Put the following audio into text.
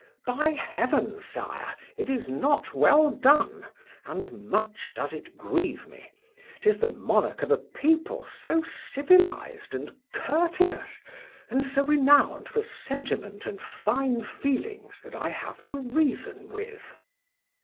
—By heaven! Sire, it is not well done; and much does it grieve me, 'tis the monarch of a people so civilized and courteous, and so renowned for sentiment and fine feelings, that I have to reason with!